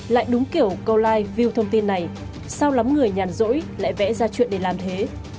lại đúng kiểu câu like view thông tin này sau lắm người nhàn rỗi lại vẽ ra chuyện để làm thế